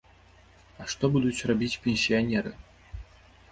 А што будуць рабіць пенсіянеры?